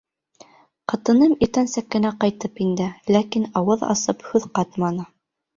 Ҡатыным иртәнсәк кенә ҡайтып инде, ләкин ауыҙ асып һүҙ ҡатманы.